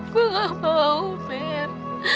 gue gak mau mer